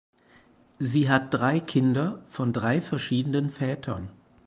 Sie hat drei Kinder von drei verschiedenen Vätern.